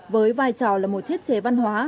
với vai trò là một thiết chế văn hóa